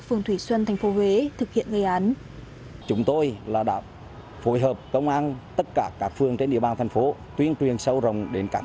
phường thủy xuân tp huế thực hiện gây án